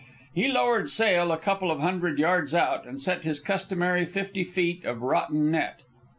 He lowered sail a couple of hundred yards out and set his customary fifty feet of rotten net.